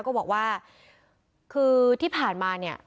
ก็บอกว่าคือที่ผ่านมาเนี่ย